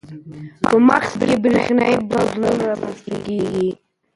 په مغز کې برېښنايي بدلون رامنځته کېږي.